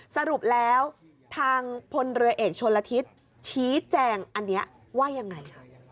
สรุปแล้วทางพลเรือเอกชนละทิศชี้แจงอันนี้ว่ายังไง